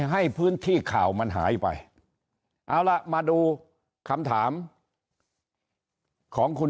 ให้พื้นที่ข่าวมันหายไปเอาล่ะมาดูคำถามของคุณ